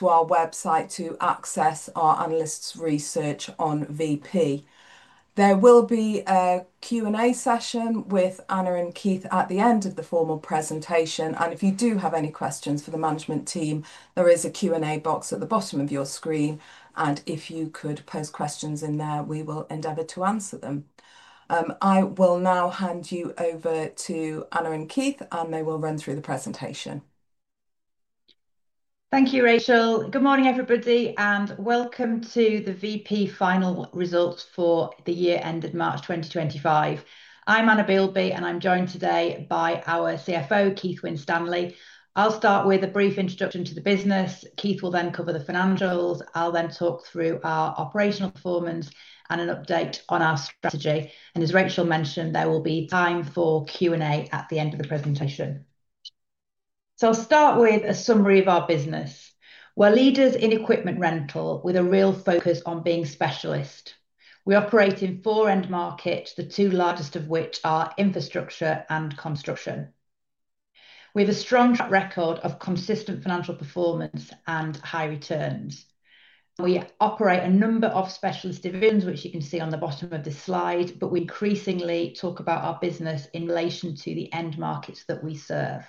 To our website to access our analysts' research on Vp. There will be a Q&A session with Anna and Keith at the end of the formal presentation, and if you do have any questions for the management team, there is a Q&A box at the bottom of your screen, and if you could post questions in there, we will endeavour to answer them. I will now hand you over to Anna and Keith, and they will run through the presentation. Thank you, Rachel. Good morning, everybody, and welcome to the Vp final results for the year ended March 2025. I'm Anna Bielby, and I'm joined today by our CFO, Keith Winstanley. I'll start with a brief introduction to the business. Keith will then cover the financials. I'll then talk through our operational performance and an update on our strategy. As Rachel mentioned, there will be time for Q&A at the end of the presentation. I'll start with a summary of our business. We're leaders in equipment rental with a real focus on being specialist. We operate in four end markets, the two largest of which are infrastructure and construction. We have a strong track record of consistent financial performance and high returns. We operate a number of specialist divisions, which you can see on the bottom of this slide, but we increasingly talk about our business in relation to the end markets that we serve.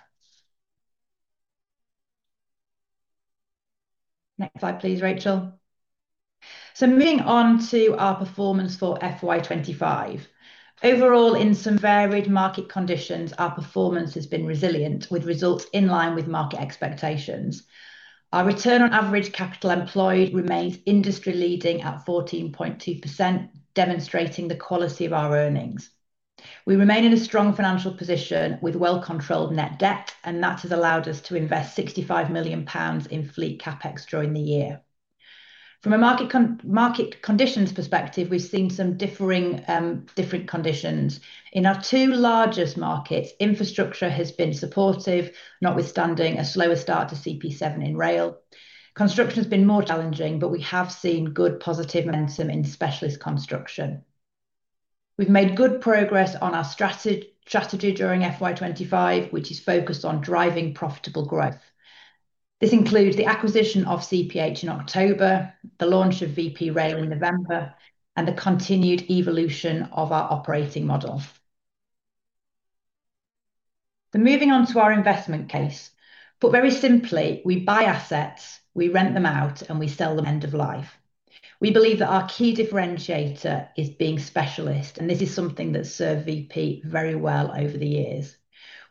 Next slide, please, Rachel. Moving on to our performance for FY 2025. Overall, in some varied market conditions, our performance has been resilient, with results in line with market expectations. Our return on average capital employed remains industry leading at 14.2%, demonstrating the quality of our earnings. We remain in a strong financial position with well-controlled net debt, and that has allowed us to invest 65 million pounds in fleet CapEx during the year. From a market conditions perspective, we have seen some differing conditions. In our two largest markets, infrastructure has been supportive, notwithstanding a slower start to CP7 in rail. Construction has been more challenging, but we have seen good positive momentum in specialist construction. We've made good progress on our strategy during FY 2025, which is focused on driving profitable growth. This includes the acquisition of CPH in October, the launch of Vp Rail in November, and the continued evolution of our operating model. Moving on to our investment case. Put very simply, we buy assets, we rent them out, and we sell them end of life. We believe that our key differentiator is being specialist, and this is something that's served Vp very well over the years.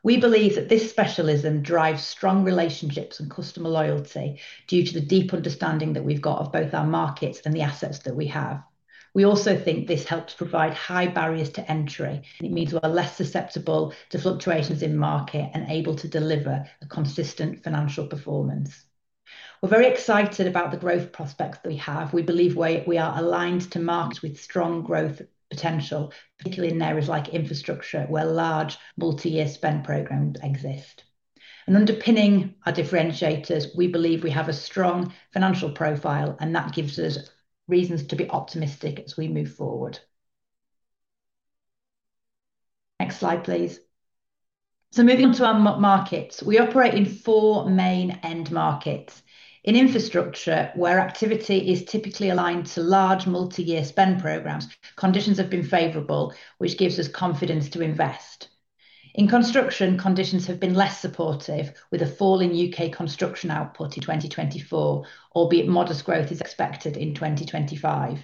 We believe that this specialism drives strong relationships and customer loyalty due to the deep understanding that we've got of both our markets and the assets that we have. We also think this helps provide high barriers to entry. It means we're less susceptible to fluctuations in market and able to deliver a consistent financial performance. We're very excited about the growth prospects that we have. We believe we are aligned to markets with strong growth potential, particularly in areas like infrastructure, where large multi-year spend programs exist. Underpinning our differentiators, we believe we have a strong financial profile, and that gives us reasons to be optimistic as we move forward. Next slide, please. Moving on to our markets, we operate in four main end markets. In infrastructure, where activity is typically aligned to large multi-year spend programs, conditions have been favorable, which gives us confidence to invest. In construction, conditions have been less supportive, with a fall in U.K. construction output in 2024, albeit modest growth is expected in 2025.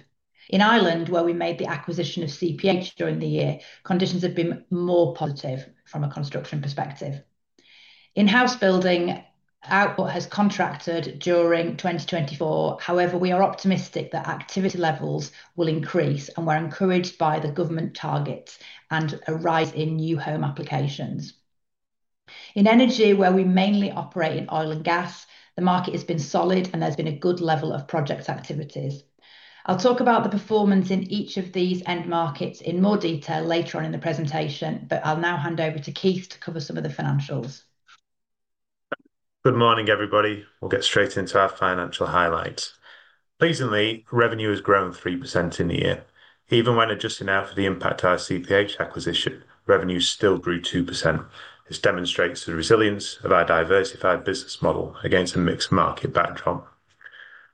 In Ireland, where we made the acquisition of CPH during the year, conditions have been more positive from a construction perspective. In-house building output has contracted during 2024. However, we are optimistic that activity levels will increase, and we're encouraged by the government targets and a rise in new home applications. In energy, where we mainly operate in oil and gas, the market has been solid, and there's been a good level of project activities. I'll talk about the performance in each of these end markets in more detail later on in the presentation, but I'll now hand over to Keith to cover some of the financials. Good morning, everybody. We'll get straight into our financial highlights. Pleasingly, revenue has grown 3% in the year. Even when adjusting now for the impact of our CPH acquisition, revenue still grew 2%. This demonstrates the resilience of our diversified business model against a mixed market backdrop.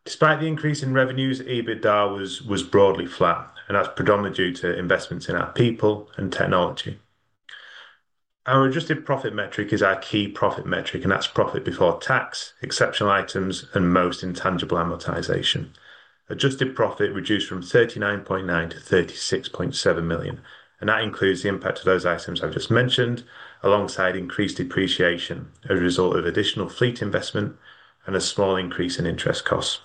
Despite the increase in revenues, EBITDA was broadly flat, and that's predominantly due to investments in our people and technology. Our adjusted profit metric is our key profit metric, and that's profit before tax, exceptional items, and most intangible amortization. Adjusted profit reduced from 39.9 million to 36.7 million, and that includes the impact of those items I've just mentioned, alongside increased depreciation as a result of additional fleet investment and a small increase in interest costs.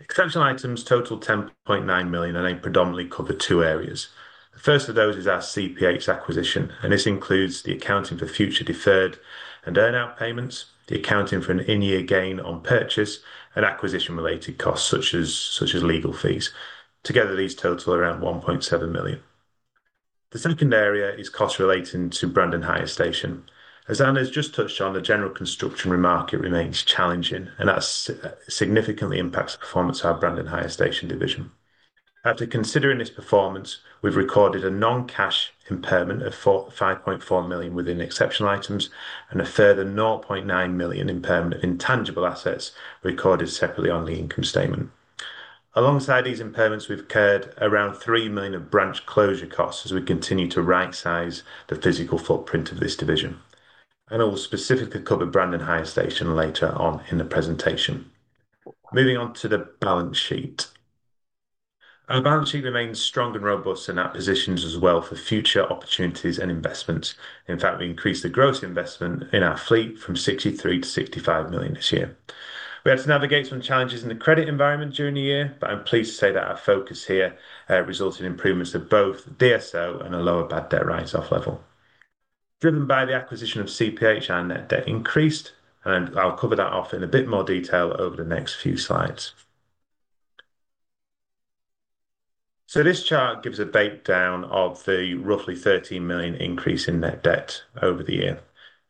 Exceptional items total 10.9 million, and they predominantly cover two areas. The first of those is our CPH acquisition, and this includes the accounting for future deferred and earn-out payments, the accounting for an in-year gain on purchase, and acquisition-related costs such as legal fees. Together, these total around 1.7 million. The second area is costs relating to Brandon Hire Station. As Anna has just touched on, the general construction remarket remains challenging, and that significantly impacts performance of our Brandon Hire Station division. After considering this performance, we've recorded a non-cash impairment of 5.4 million within exceptional items and a further 0.9 million impairment of intangible assets recorded separately on the income statement. Alongside these impairments, we've incurred around 3 million of branch closure costs as we continue to right-size the physical footprint of this division. We will specifically cover Brandon Hire Station later on in the presentation. Moving on to the balance sheet. Our balance sheet remains strong and robust, and that positions us well for future opportunities and investments. In fact, we increased the gross investment in our fleet from 63 million to 65 million this year. We had to navigate some challenges in the credit environment during the year, but I'm pleased to say that our focus here resulted in improvements to both DSO and a lower bad debt write-off level. Driven by the acquisition of CPH, our net debt increased, and I'll cover that off in a bit more detail over the next few slides. This chart gives a breakdown of the roughly 13 million increase in net debt over the year.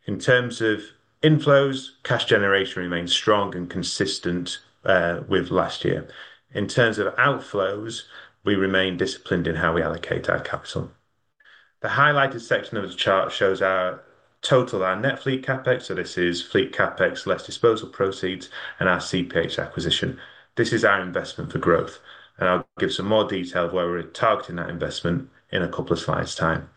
In terms of inflows, cash generation remains strong and consistent with last year. In terms of outflows, we remain disciplined in how we allocate our capital. The highlighted section of the chart shows our total of our net fleet CapEx, so this is fleet CapEx less disposal proceeds and our CPH acquisition. This is our investment for growth, and I'll give some more detail of where we're targeting that investment in a couple of slides' time.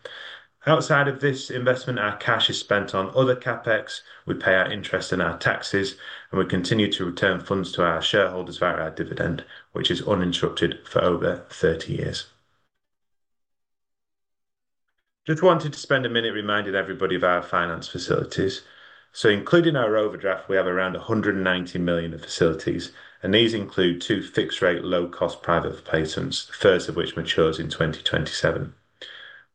Outside of this investment, our cash is spent on other CapEx. We pay our interest and our taxes, and we continue to return funds to our shareholders via our dividend, which is uninterrupted for over 30 years. I just wanted to spend a minute reminding everybody of our finance facilities. Including our overdraft, we have around 190 million of facilities, and these include two fixed-rate low-cost private placements, the first of which matures in 2027.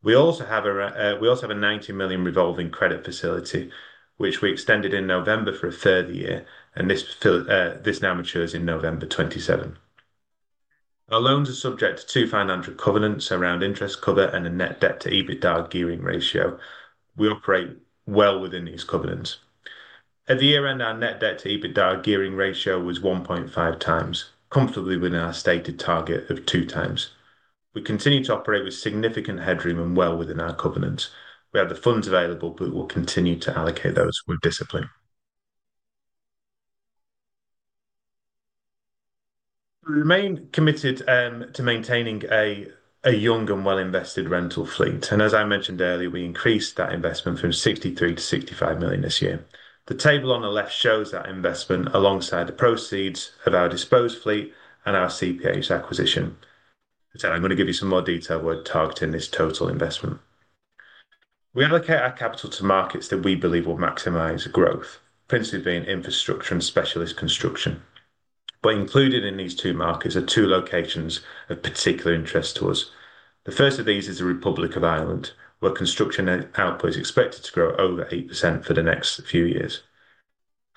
We also have a 90 million revolving credit facility, which we extended in November for a third year, and this now matures in November 2027. Our loans are subject to two financial covenants around interest cover and a net debt to EBITDA gearing ratio. We operate well within these covenants. At the year end, our net debt to EBITDA gearing ratio was 1.5 times, comfortably within our stated target of two times. We continue to operate with significant headroom and well within our covenants. We have the funds available, but we'll continue to allocate those with discipline. We remain committed to maintaining a young and well-invested rental fleet, and as I mentioned earlier, we increased that investment from 63 million to 65 million this year. The table on the left shows that investment alongside the proceeds of our disposed fleet and our CPH acquisition. I'm going to give you some more detail where we're targeting this total investment. We allocate our capital to markets that we believe will maximise growth, principally being infrastructure and specialist construction. Included in these two markets are two locations of particular interest to us. The first of these is the Republic of Ireland, where construction output is expected to grow over 8% for the next few years.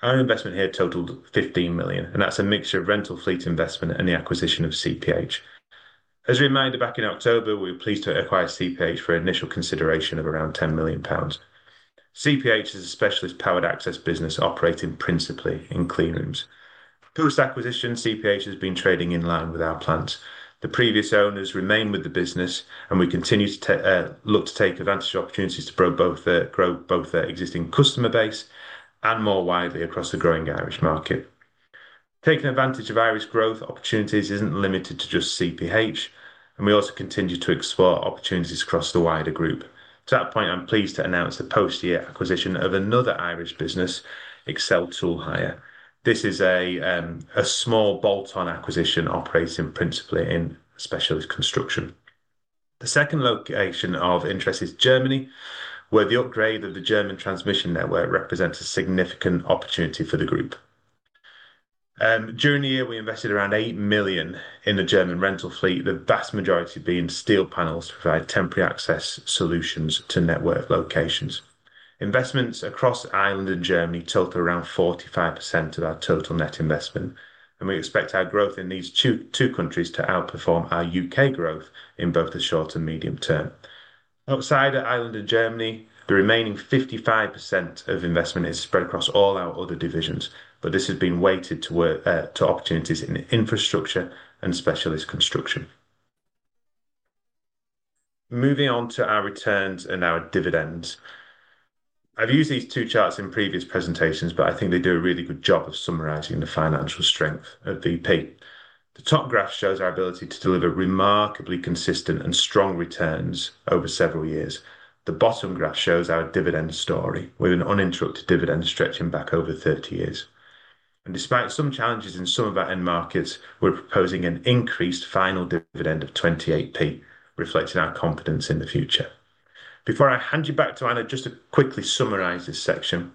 Our investment here totaled 15 million, and that's a mixture of rental fleet investment and the acquisition of CPH. As a reminder, back in October, we were pleased to acquire CPH for an initial consideration of around 10 million pounds. CPH is a specialist powered access business operating principally in clean rooms. Post-acquisition, CPH has been trading in line with our plans. The previous owners remain with the business, and we continue to look to take advantage of opportunities to grow both our existing customer base and more widely across the growing Irish market. Taking advantage of Irish growth opportunities isn't limited to just CPH, and we also continue to explore opportunities across the wider group. To that point, I'm pleased to announce the post-year acquisition of another Irish business, Excel Tool Hire. This is a small bolt-on acquisition operating principally in specialist construction. The second location of interest is Germany, where the upgrade of the German transmission network represents a significant opportunity for the group. During the year, we invested around 8 million in the German rental fleet, the vast majority being steel panels to provide temporary access solutions to network locations. Investments across Ireland and Germany total around 45% of our total net investment, and we expect our growth in these two countries to outperform our U.K. growth in both the short and medium term. Outside Ireland and Germany, the remaining 55% of investment is spread across all our other divisions, but this has been weighted to opportunities in infrastructure and specialist construction. Moving on to our returns and our dividends. I've used these two charts in previous presentations, but I think they do a really good job of summarizing the financial strength of Vp. The top graph shows our ability to deliver remarkably consistent and strong returns over several years. The bottom graph shows our dividend story, with an uninterrupted dividend stretching back over 30 years. Despite some challenges in some of our end markets, we're proposing an increased final dividend of 0.28, reflecting our confidence in the future. Before I hand you back to Anna, just to quickly summarize this section.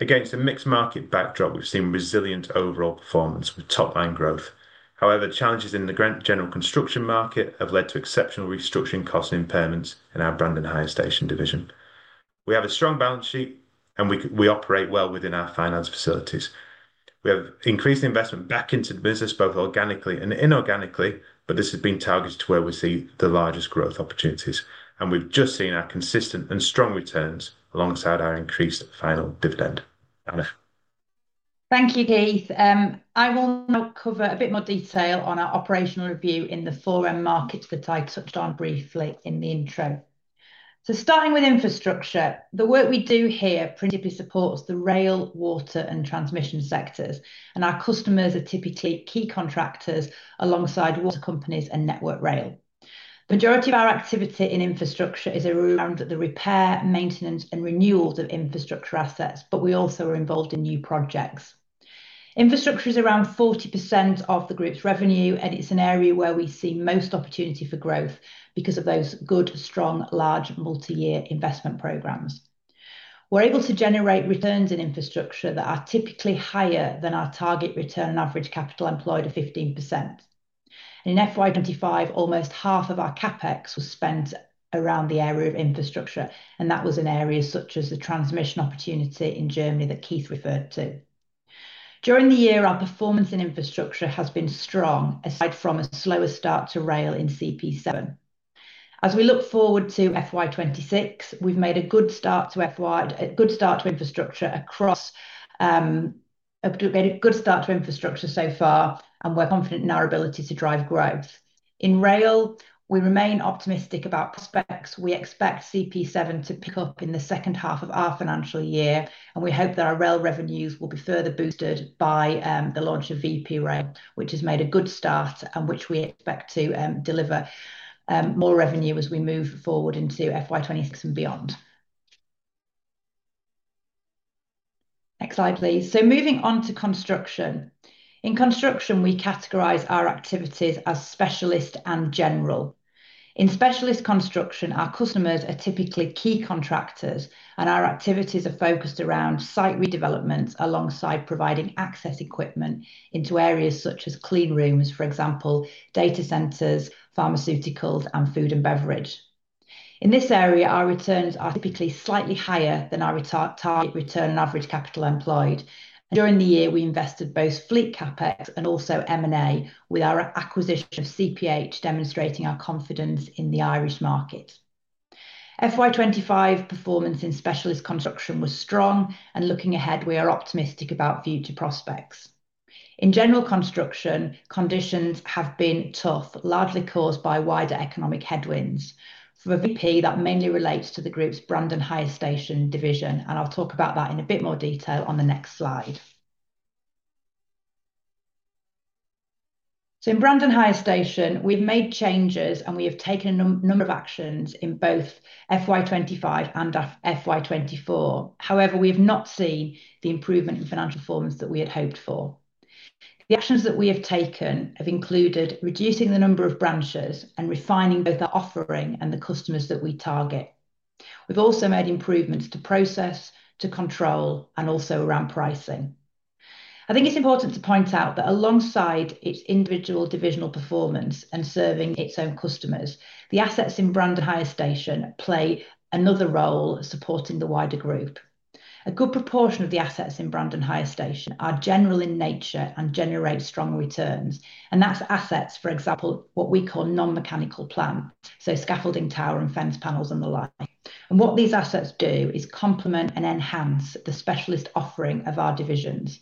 Against a mixed market backdrop, we've seen resilient overall performance with top-line growth. However, challenges in the general construction market have led to exceptional restructuring costs and impairments in our Brandon Hire Station division. We have a strong balance sheet, and we operate well within our finance facilities. We have increased investment back into the business, both organically and inorganically, but this has been targeted to where we see the largest growth opportunities. We have just seen our consistent and strong returns alongside our increased final dividend. Thank you, Keith. I will now cover a bit more detail on our operational review in the four end markets that I touched on briefly in the intro. Starting with infrastructure, the work we do here principally supports the rail, water, and transmission sectors, and our customers are typically key contractors alongside water companies and Network Rail. The majority of our activity in infrastructure is around the repair, maintenance, and renewals of infrastructure assets, but we also are involved in new projects. Infrastructure is around 40% of the group's revenue, and it is an area where we see most opportunity for growth because of those good, strong, large multi-year investment programs. We are able to generate returns in infrastructure that are typically higher than our target return on average capital employed of 15%. In FY 2025, almost half of our CapEx was spent around the area of infrastructure, and that was in areas such as the transmission opportunity in Germany that Keith referred to. During the year, our performance in infrastructure has been strong, aside from a slower start to rail in CP7. As we look forward to FY 2026, we've made a good start to infrastructure so far, and we're confident in our ability to drive growth. In rail, we remain optimistic about prospects. We expect CP7 to pick up in the second half of our financial year, and we hope that our rail revenues will be further boosted by the launch of Vp Rail, which has made a good start and which we expect to deliver more revenue as we move forward into FY 2026 and beyond. Next slide, please. Moving on to construction. In construction, we categorize our activities as specialist and general. In specialist construction, our customers are typically key contractors, and our activities are focused around site redevelopment alongside providing access equipment into areas such as clean rooms, for example, data centers, pharmaceuticals, and food and beverage. In this area, our returns are typically slightly higher than our target return on average capital employed. During the year, we invested both fleet CapEx and also M&A, with our acquisition of CPH demonstrating our confidence in the Irish market. FY 2025 performance in specialist construction was strong, and looking ahead, we are optimistic about future prospects. In general construction, conditions have been tough, largely caused by wider economic headwinds. For Vp, that mainly relates to the group's Brandon Hire Station division, and I'll talk about that in a bit more detail on the next slide. In Brandon Hire Station, we've made changes, and we have taken a number of actions in both FY 2025 and FY 2024. However, we have not seen the improvement in financial performance that we had hoped for. The actions that we have taken have included reducing the number of branches and refining both our offering and the customers that we target. We've also made improvements to process, to control, and also around pricing. I think it's important to point out that alongside its individual divisional performance and serving its own customers, the assets in Brandon Hire Station play another role supporting the wider group. A good proportion of the assets in Brandon Hire Station are general in nature and generate strong returns, and that's assets, for example, what we call non-mechanical plant, so scaffolding tower and fence panels and the like. What these assets do is complement and enhance the specialist offering of our divisions,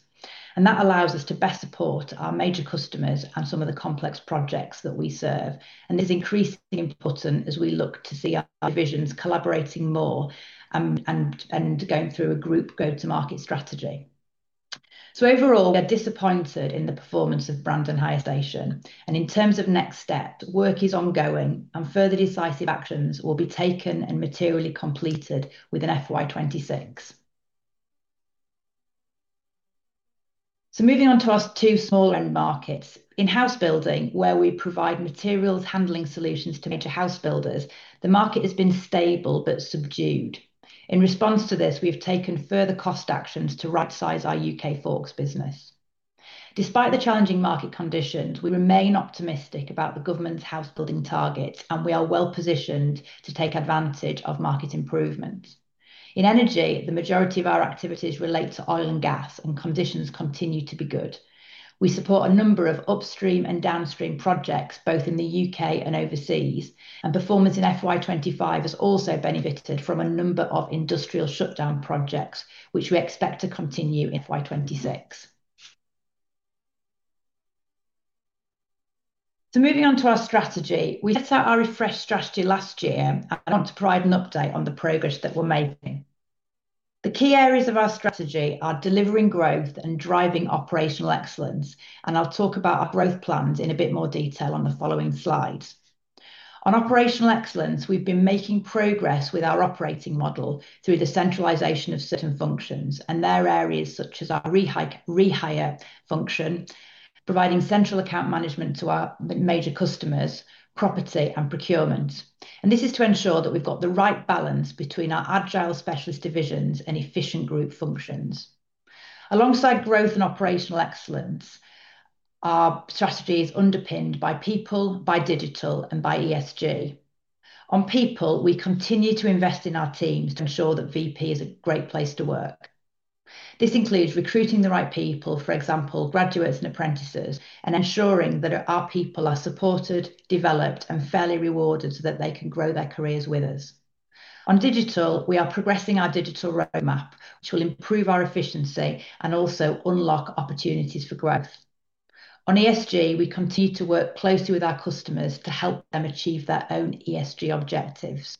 and that allows us to best support our major customers and some of the complex projects that we serve. It is increasingly important as we look to see our divisions collaborating more and going through a group go-to-market strategy. Overall, we are disappointed in the performance of Brandon Hire Station, and in terms of next steps, work is ongoing, and further decisive actions will be taken and materially completed within FY 2026. Moving on to our two smaller end markets. In house building, where we provide materials handling solutions to major house builders, the market has been stable but subdued. In response to this, we have taken further cost actions to right-size our UK Forks business. Despite the challenging market conditions, we remain optimistic about the government's house building targets, and we are well positioned to take advantage of market improvements. In energy, the majority of our activities relate to oil and gas, and conditions continue to be good. We support a number of upstream and downstream projects, both in the U.K. and overseas, and performance in FY 2025 has also benefited from a number of industrial shutdown projects, which we expect to continue in FY 2026. Moving on to our strategy, we set out our refresh strategy last year, and I want to provide an update on the progress that we're making. The key areas of our strategy are delivering growth and driving operational excellence, and I'll talk about our growth plans in a bit more detail on the following slides. On operational excellence, we've been making progress with our operating model through the centralization of certain functions and their areas such as our rehire function, providing central account management to our major customers, property, and procurement. This is to ensure that we've got the right balance between our agile specialist divisions and efficient group functions. Alongside growth and operational excellence, our strategy is underpinned by people, by digital, and by ESG. On people, we continue to invest in our teams to ensure that Vp is a great place to work. This includes recruiting the right people, for example, graduates and apprentices, and ensuring that our people are supported, developed, and fairly rewarded so that they can grow their careers with us. On digital, we are progressing our digital roadmap, which will improve our efficiency and also unlock opportunities for growth. On ESG, we continue to work closely with our customers to help them achieve their own ESG objectives.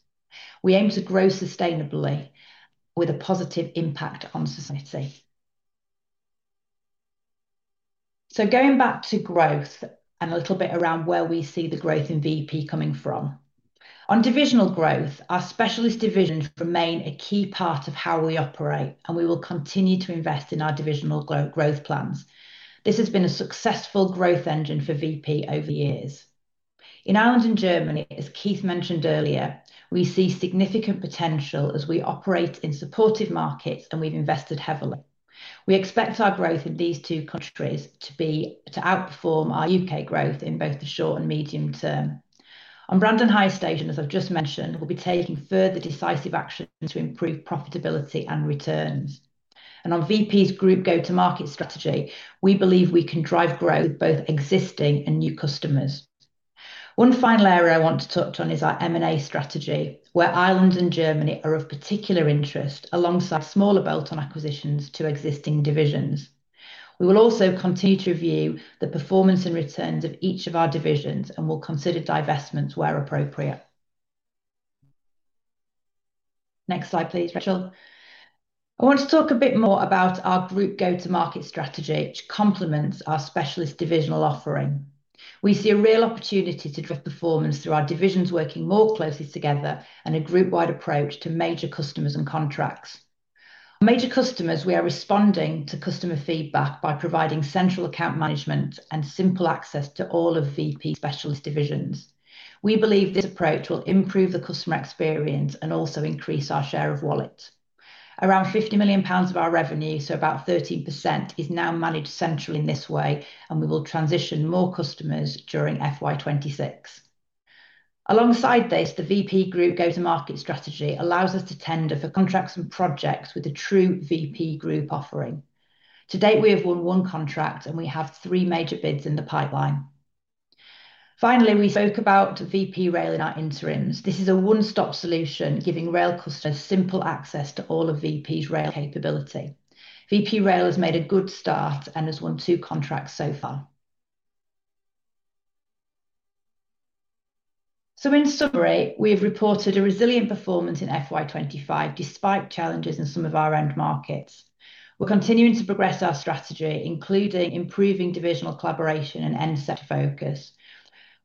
We aim to grow sustainably with a positive impact on society. Going back to growth and a little bit around where we see the growth in Vp coming from. On divisional growth, our specialist divisions remain a key part of how we operate, and we will continue to invest in our divisional growth plans. This has been a successful growth engine for Vp over the years. In Ireland and Germany, as Keith mentioned earlier, we see significant potential as we operate in supportive markets, and we've invested heavily. We expect our growth in these two countries to outperform our U.K. growth in both the short and medium term. On Brandon Hire Station, as I've just mentioned, we'll be taking further decisive actions to improve profitability and returns. On Vp's group go-to-market strategy, we believe we can drive growth with both existing and new customers. One final area I want to touch on is our M&A strategy, where Ireland and Germany are of particular interest, alongside smaller bolt-on acquisitions to existing divisions. We will also continue to review the performance and returns of each of our divisions and will consider divestments where appropriate. Next slide, please, Rachel. I want to talk a bit more about our group go-to-market strategy, which complements our specialist divisional offering. We see a real opportunity to drive performance through our divisions working more closely together and a group-wide approach to major customers and contracts. Major customers, we are responding to customer feedback by providing central account management and simple access to all of Vp's specialist divisions. We believe this approach will improve the customer experience and also increase our share of wallet. Around 50 million pounds of our revenue, so about 13%, is now managed centrally in this way, and we will transition more customers during FY 2026. Alongside this, the Vp group go-to-market strategy allows us to tender for contracts and projects with a true Vp group offering. To date, we have won one contract, and we have three major bids in the pipeline. Finally, we spoke about Vp Rail in our interims. This is a one-stop solution, giving rail customers simple access to all of Vp's rail capability. Vp Rail has made a good start and has won two contracts so far. In summary, we have reported a resilient performance in FY 2025 despite challenges in some of our end markets. We're continuing to progress our strategy, including improving divisional collaboration and end-set focus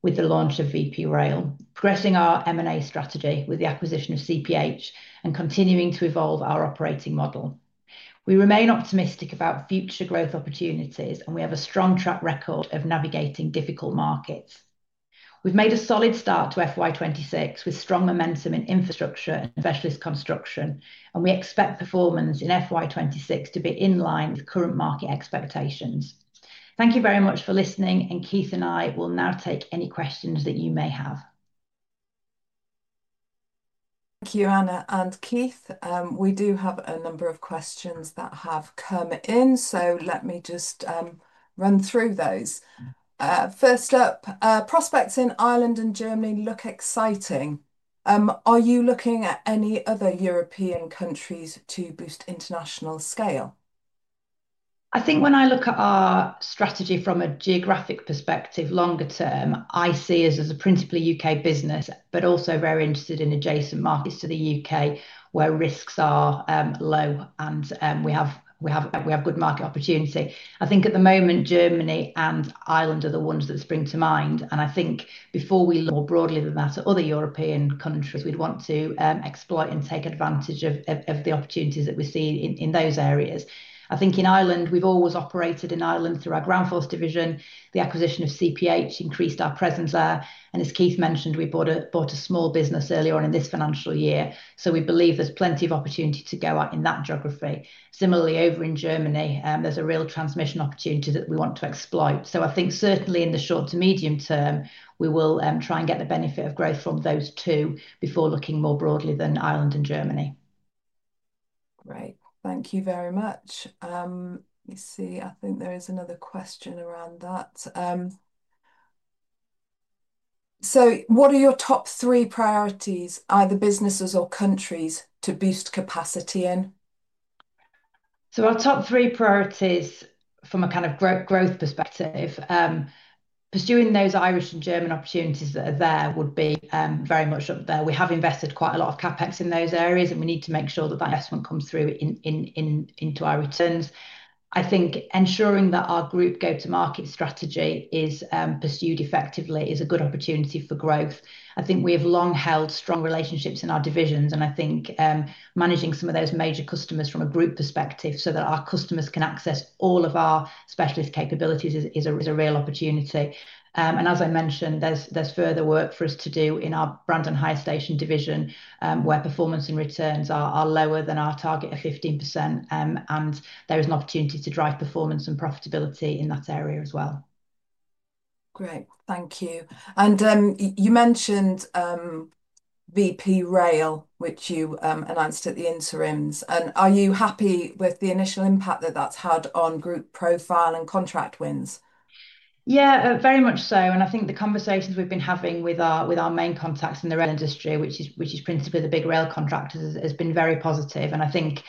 with the launch of Vp Rail, progressing our M&A strategy with the acquisition of CPH, and continuing to evolve our operating model. We remain optimistic about future growth opportunities, and we have a strong track record of navigating difficult markets. We've made a solid start to FY 2026 with strong momentum in infrastructure and specialist construction, and we expect performance in FY 2026 to be in line with current market expectations. Thank you very much for listening, and Keith and I will now take any questions that you may have. Thank you, Anna and Keith. We do have a number of questions that have come in, so let me just run through those. First up, prospects in Ireland and Germany look exciting. Are you looking at any other European countries to boost international scale? I think when I look at our strategy from a geographic perspective, longer term, I see us as a principally U.K. business, but also very interested in adjacent markets to the U.K. where risks are low and we have good market opportunity. I think at the moment, Germany and Ireland are the ones that spring to mind, and I think before we look more broadly than that at other European countries, we'd want to exploit and take advantage of the opportunities that we see in those areas. I think in Ireland, we've always operated in Ireland through our Groundforce division. The acquisition of CPH increased our presence there, and as Keith mentioned, we bought a small business earlier on in this financial year, so we believe there's plenty of opportunity to go out in that geography. Similarly, over in Germany, there's a real transmission opportunity that we want to exploit. I think certainly in the short to medium term, we will try and get the benefit of growth from those two before looking more broadly than Ireland and Germany. Great. Thank you very much. Let me see. I think there is another question around that. What are your top three priorities, either businesses or countries, to boost capacity in? Our top three priorities from a kind of growth perspective, pursuing those Irish and German opportunities that are there would be very much up there. We have invested quite a lot of CapEx in those areas, and we need to make sure that that investment comes through into our returns. I think ensuring that our group go-to-market strategy is pursued effectively is a good opportunity for growth. I think we have long held strong relationships in our divisions, and I think managing some of those major customers from a group perspective so that our customers can access all of our specialist capabilities is a real opportunity. As I mentioned, there is further work for us to do in our Brandon Hire Station division where performance and returns are lower than our target of 15%, and there is an opportunity to drive performance and profitability in that area as well. Great. Thank you. You mentioned Vp Rail, which you announced at the interims. Are you happy with the initial impact that that's had on group profile and contract wins? Yeah, very much so. I think the conversations we've been having with our main contacts in the rail industry, which is principally the big rail contractors, has been very positive. I think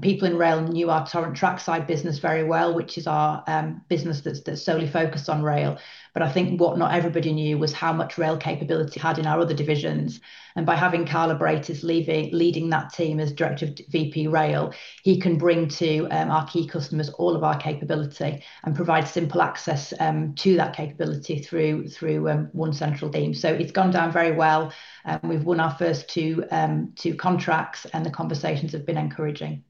people in rail knew our trackside business very well, which is our business that's solely focused on rail. I think what not everybody knew was how much rail capability we had in our other divisions. By having Carl Abraitis leading that team as Director of Vp Rail, he can bring to our key customers all of our capability and provide simple access to that capability through one central team. It's gone down very well. We've won our first two contracts, and the conversations have been encouraging.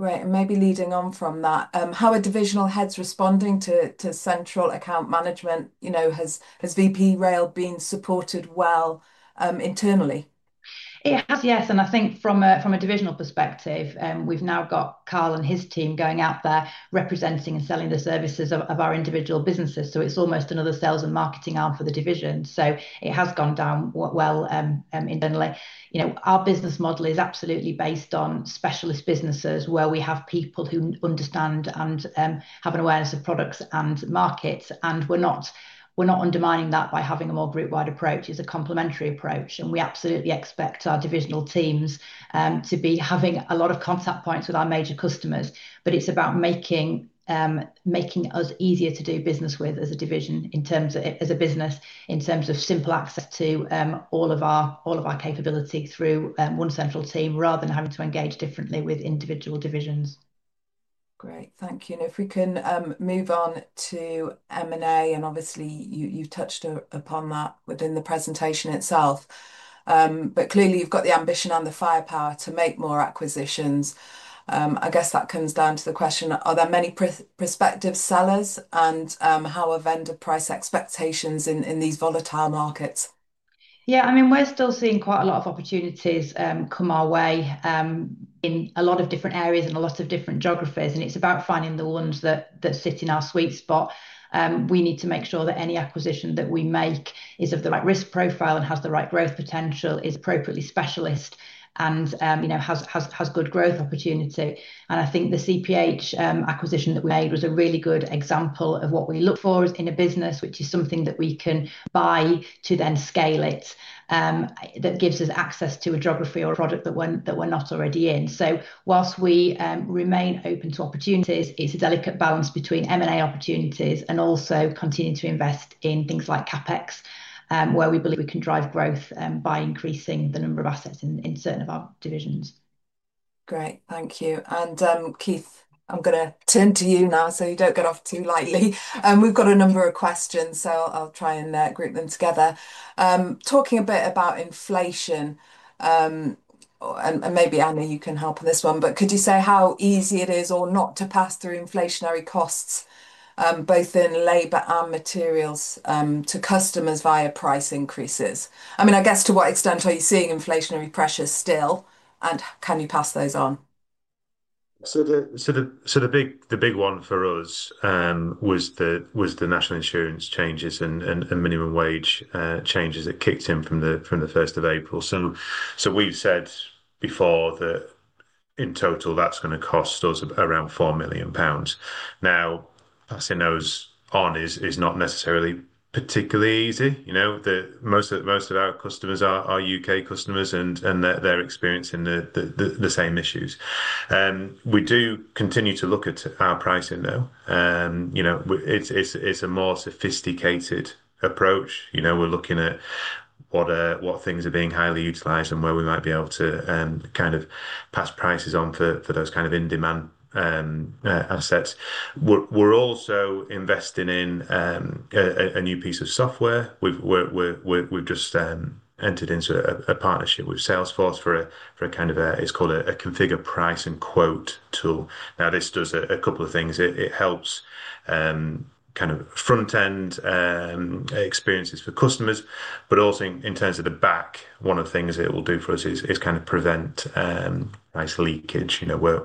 Great. Maybe leading on from that, how are divisional heads responding to central account management? Has Vp Rail been supported well internally? It has, yes. I think from a divisional perspective, we've now got Carl and his team going out there representing and selling the services of our individual businesses. It is almost another sales and marketing arm for the division. It has gone down well internally. Our business model is absolutely based on specialist businesses where we have people who understand and have an awareness of products and markets. We are not undermining that by having a more group-wide approach. It is a complementary approach, and we absolutely expect our divisional teams to be having a lot of contact points with our major customers. It is about making us easier to do business with as a division in terms of business, in terms of simple access to all of our capability through one central team, rather than having to engage differently with individual divisions. Great. Thank you. If we can move on to M&A, obviously, you've touched upon that within the presentation itself, but clearly, you've got the ambition and the firepower to make more acquisitions. I guess that comes down to the question, are there many prospective sellers, and how are vendor price expectations in these volatile markets? Yeah. I mean, we're still seeing quite a lot of opportunities come our way in a lot of different areas and a lot of different geographies. It's about finding the ones that sit in our sweet spot. We need to make sure that any acquisition that we make is of the right risk profile and has the right growth potential, is appropriately specialist, and has good growth opportunity. I think the CPH acquisition that we made was a really good example of what we look for in a business, which is something that we can buy to then scale it. That gives us access to a geography or a product that we're not already in. Whilst we remain open to opportunities, it's a delicate balance between M&A opportunities and also continuing to invest in things like CapEx, where we believe we can drive growth by increasing the number of assets in certain of our divisions. Great. Thank you. Keith, I'm going to turn to you now so you do not get off too lightly. We've got a number of questions, so I'll try and group them together. Talking a bit about inflation, and maybe Anna, you can help on this one, but could you say how easy it is or not to pass through inflationary costs, both in labor and materials, to customers via price increases? I mean, I guess to what extent are you seeing inflationary pressures still, and can you pass those on? The big one for us was the National Insurance changes and Minimum Wage changes that kicked in from the 1st of April. We've said before that in total, that's going to cost us around 4 million pounds. Now, passing those on is not necessarily particularly easy. Most of our customers are U.K. customers, and they're experiencing the same issues. We do continue to look at our pricing, though. It's a more sophisticated approach. We're looking at what things are being highly utilised and where we might be able to kind of pass prices on for those kind of in-demand assets. We're also investing in a new piece of software. We've just entered into a partnership with Salesforce for a kind of, it's called a configure price and quote tool. Now, this does a couple of things. It helps kind of front-end experiences for customers, but also in terms of the back, one of the things it will do for us is kind of prevent price leakage, where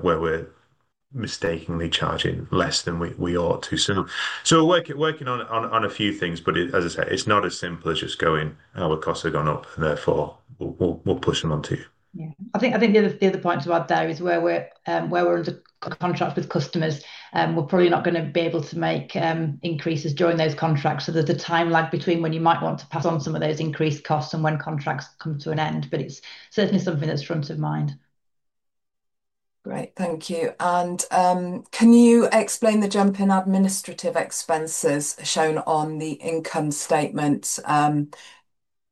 we're mistakenly charging less than we ought to. We are working on a few things, but as I say, it's not as simple as just going, "Our costs have gone up," and therefore, we'll push them on to you. Yeah. I think the other point to add there is where we're under contracts with customers, we're probably not going to be able to make increases during those contracts. There is a time lag between when you might want to pass on some of those increased costs and when contracts come to an end, but it's certainly something that's front of mind. Great. Thank you. Can you explain the jump in administrative expenses shown on the income statement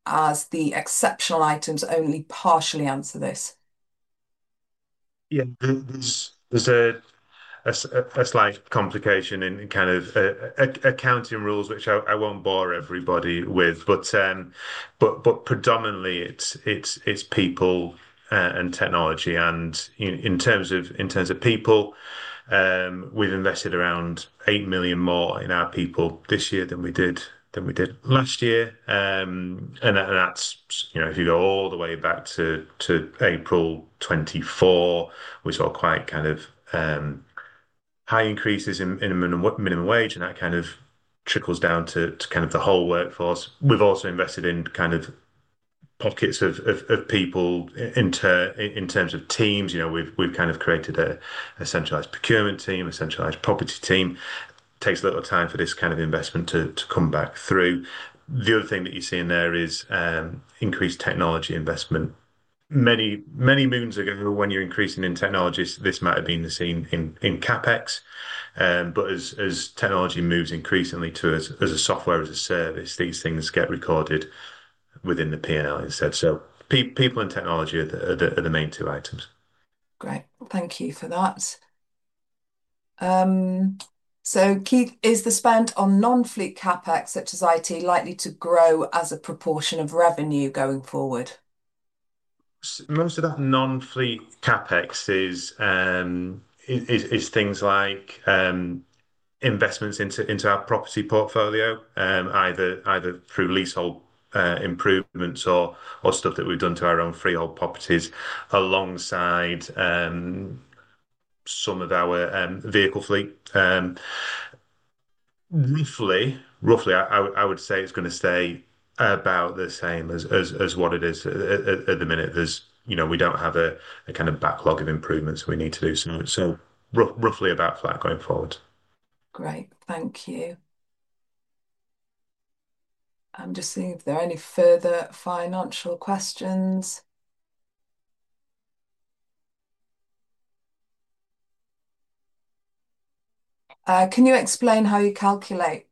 as the exceptional items only partially answer this? Yeah. There's a slight complication in kind of accounting rules, which I won't bore everybody with, but predominantly, it's people and technology. In terms of people, we've invested around 8 million more in our people this year than we did last year. If you go all the way back to April 2024, we saw quite kind of high increases in minimum wage, and that kind of trickles down to kind of the whole workforce. We've also invested in kind of pockets of people in terms of teams. We've kind of created a centralised procurement team, a centralised property team. It takes a little time for this kind of investment to come back through. The other thing that you see in there is increased technology investment. Many moons ago when you're increasing in technology, this might have been the scene in CapEx. As technology moves increasingly to as a software, as a service, these things get recorded within the P&L instead. So people and technology are the main two items. Great. Thank you for that. Keith, is the spend on non-fleet CapEx such as IT likely to grow as a proportion of revenue going forward? Most of that non-fleet CapEx is things like investments into our property portfolio, either through leasehold improvements or stuff that we've done to our own freehold properties alongside some of our vehicle fleet. Roughly, I would say it's going to stay about the same as what it is at the minute. We don't have a kind of backlog of improvements we need to do. So roughly about flat going forward. Great. Thank you. I'm just seeing if there are any further financial questions. Can you explain how you calculate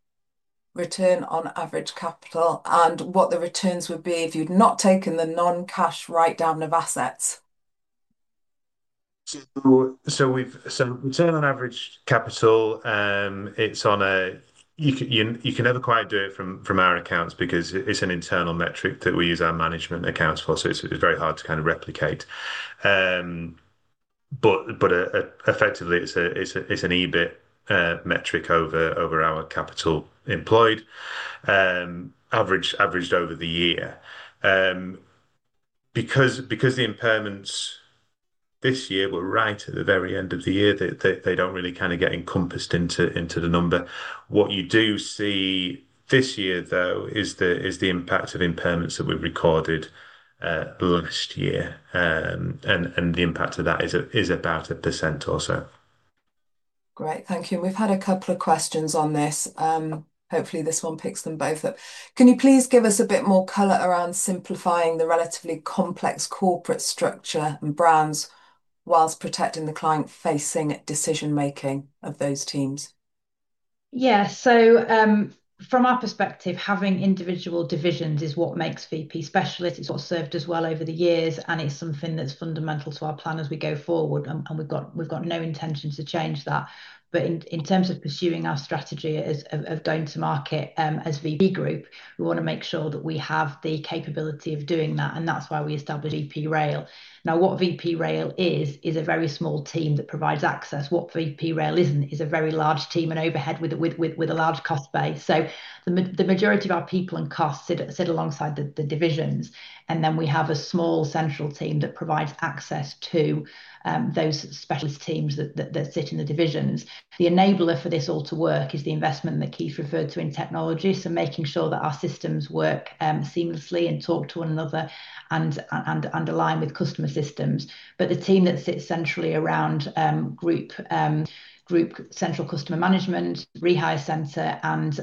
return on average capital and what the returns would be if you'd not taken the non-cash write-down of assets? Return on average capital, it's on a you can never quite do it from our accounts because it's an internal metric that we use our management accounts for. It's very hard to kind of replicate. Effectively, it's an EBIT metric over our capital employed averaged over the year. Because the impairments this year were right at the very end of the year, they do not really kind of get encompassed into the number. What you do see this year, though, is the impact of impairments that we've recorded last year. The impact of that is about 1% or so. Great. Thank you. We've had a couple of questions on this. Hopefully, this one picks them both up. Can you please give us a bit more color around simplifying the relatively complex corporate structure and brands while protecting the client-facing decision-making of those teams? Yeah. From our perspective, having individual divisions is what makes Vp specialist. It is what has served us well over the years, and it is something that is fundamental to our plan as we go forward. We have no intention to change that. In terms of pursuing our strategy of going to market as Vp Group, we want to make sure that we have the capability of doing that. That is why we established Vp Rail. What Vp Rail is, is a very small team that provides access. What Vp Rail is not is a very large team and overhead with a large cost base. The majority of our people and costs sit alongside the divisions. We have a small central team that provides access to those specialist teams that sit in the divisions. The enabler for this all to work is the investment that Keith referred to in technology, making sure that our systems work seamlessly and talk to one another and underline with customer systems. The team that sits centrally around central customer management, rehire centre, and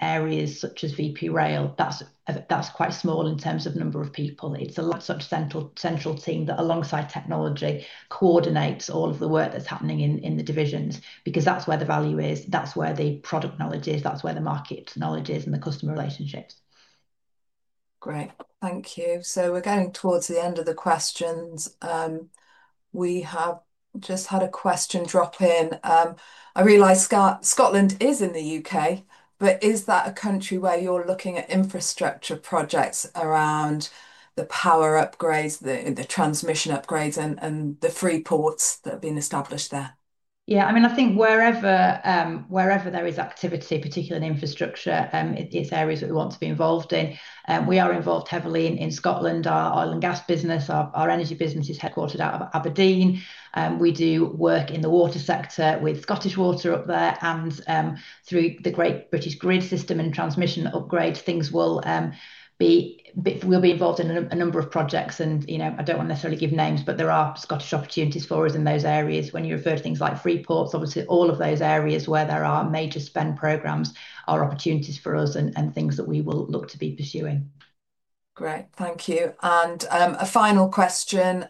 areas such as Vp Rail, that's quite small in terms of number of people. It is such a central team that alongside technology coordinates all of the work that's happening in the divisions because that's where the value is. That's where the product knowledge is. That's where the market knowledge is and the customer relationships. Great. Thank you. We are getting towards the end of the questions. We have just had a question drop in. I realize Scotland is in the U.K., but is that a country where you are looking at infrastructure projects around the power upgrades, the transmission upgrades, and the freeports that have been established there? Yeah. I mean, I think wherever there is activity, particularly in infrastructure, it's areas that we want to be involved in. We are involved heavily in Scotland. Our oil and gas business, our energy business is headquartered out of Aberdeen. We do work in the water sector with Scottish Water up there. Through the Great British Grid system and transmission upgrades, things will be involved in a number of projects. I don't want to necessarily give names, but there are Scottish opportunities for us in those areas. When you refer to things like freeports, obviously, all of those areas where there are major spend programs are opportunities for us and things that we will look to be pursuing. Great. Thank you. A final question.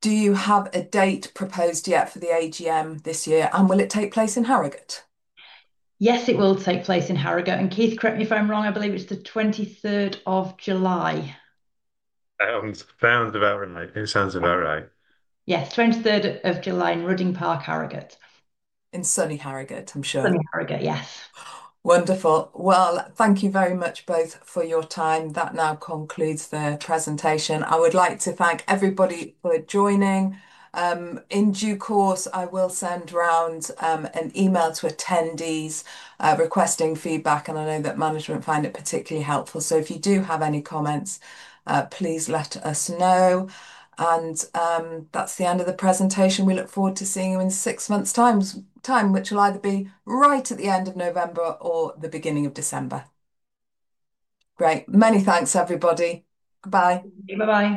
Do you have a date proposed yet for the AGM this year? Will it take place in Harrogate? Yes, it will take place in Harrogate. Keith, correct me if I'm wrong, I believe it's the 23rd of July. Sounds about right. Yes, 23rd of July in Rudding Park, Harrogate. In sunny Harrogate, I'm sure. Sunny Harrogate, yes. Wonderful. Thank you very much both for your time. That now concludes the presentation. I would like to thank everybody for joining. In due course, I will send round an email to attendees requesting feedback, and I know that management find it particularly helpful. If you do have any comments, please let us know. That is the end of the presentation. We look forward to seeing you in six months' time, which will either be right at the end of November or the beginning of December. Great. Many thanks, everybody. Goodbye. Goodbye.